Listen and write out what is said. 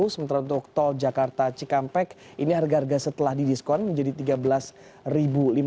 sementara untuk tol jakarta cikampek ini harga harga setelah didiskon menjadi rp tiga belas lima ratus